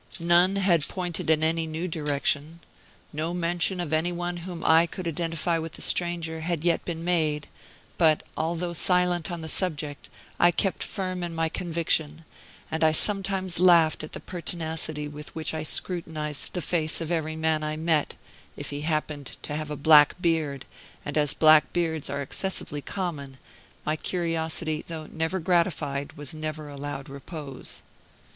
None had pointed in any new direction. No mention of anyone whom I could identify with the stranger had yet been made; but, although silent on the subject, I kept firm in my conviction, and I sometimes laughed at the pertinacity with which I scrutinized the face of every man I met, if he happened to have a black beard; and as black beards are excessively common, my curiosity, though never gratified, was never allowed repose.